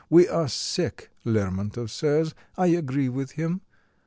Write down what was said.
We are sick, Lermontov says I agree with him.